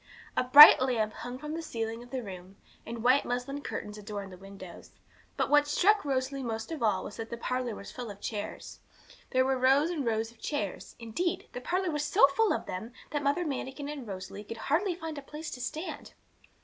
A bright lamp hung from the ceiling of the room, and white muslin curtains adorned the window; but what struck Rosalie most of all was that the parlour was full of chairs. There were rows and rows of chairs; indeed, the parlour was so full of them that Mother Manikin and Rosalie could hardly find a place to stand.